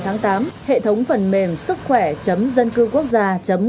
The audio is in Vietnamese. từ ngày một mươi một tháng tám hệ thống phần mềm sức khỏe dân cư quốc gia